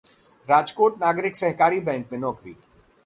राजकोट नागरिक सहकारी बैंक में नौकरी